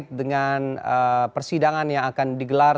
terkait dengan persidangan yang akan digelar